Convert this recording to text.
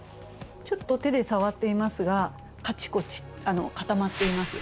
ちょっと手で触ってみますがカチコチ固まっています。